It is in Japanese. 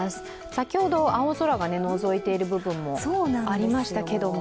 先ほど、青空がのぞいている部分もありましたけども。